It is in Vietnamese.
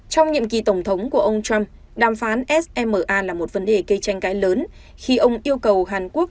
trong nhiệm kỳ tổng thống của ông trump đàm phán sma là một vấn đề cây tranh cãi lớn khi ông yêu cầu hàn quốc